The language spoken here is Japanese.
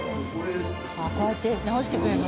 こうやって直してくれるの？